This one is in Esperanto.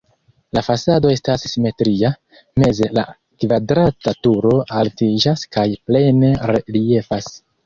La fasado estas simetria, meze la kvadrata turo altiĝas kaj plene reliefas.